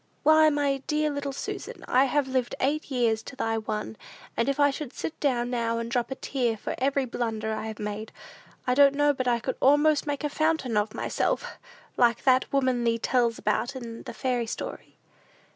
Why, my dear little Susan, I have lived eight years to thy one, and if I should sit down now and drop a tear for every blunder I have made, I don't know but I could almost make a fountain of myself, like that woman thee tells about in the fairy story."